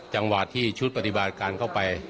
จังหวะถึงพฤษภัทริปศัพท์การเข้าไป